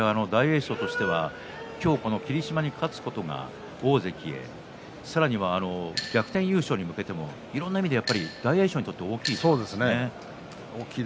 今日は霧島に勝つことが大関へさらには逆転優勝に向けてもいろんな意味で大栄翔にとって大きいんですね。